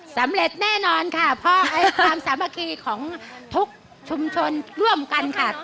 สำเร็จแน่นอนค่ะเพราะความสามัคคีของทุกชุมชนร่วมกันค่ะ